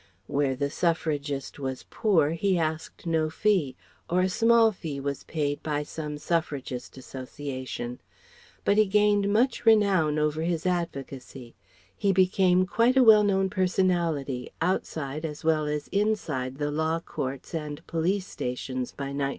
Where the Suffragist was poor he asked no fee, or a small fee was paid by some Suffragist Association. But he gained much renown over his advocacy; he became quite a well known personality outside as well as inside the Law Courts and Police stations by 1908.